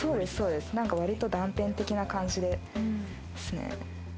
割と断片的な感じですね。